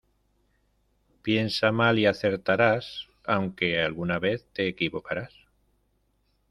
Piensa mal y acertarás, aunque alguna vez te equivocarás.